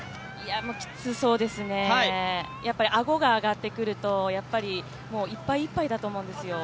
きつそうですね、顎が上がってくるといっぱいいっぱいだと思うんですよ。